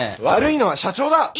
悪いのは社長だ！